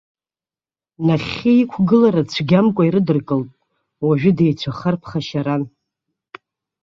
Нахьхьи иқәгылара цәгьамкәа ирыдыркылт, уажәы деицәахар ԥхашьаран.